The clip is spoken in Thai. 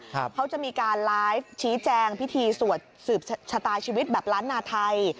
เขาจะมีการไลฟ์ชี้แจงพิธีสวดสืบชะตาชีวิตแบบล้านนาไทย